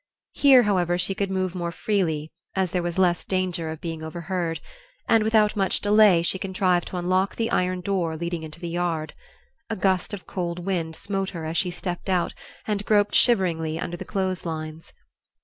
Here, however, she could move more freely, as there was less danger of being overheard; and without much delay she contrived to unlock the iron door leading into the yard. A gust of cold wind smote her as she stepped out and groped shiveringly under the clothes lines.